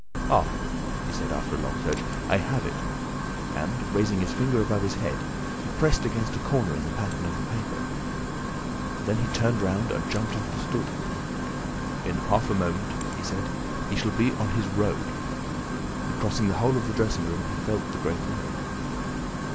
"Ah," he said, after a long search, "I have it!" And, raising his finger above his head, he pressed against a corner in the pattern of the paper. Then he turned round and jumped off the stool: "In half a minute," he said, "he shall be ON HIS ROAD!" and crossing the whole of the dressing room he felt the great mirror.